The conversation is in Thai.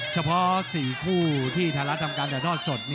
เฉพาะสี่คู่ที่ธาระทำการจากทอดสด